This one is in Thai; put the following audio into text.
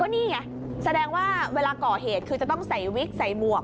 นี่ไงแสดงว่าเวลาก่อเหตุคือจะต้องใส่วิกใส่หมวก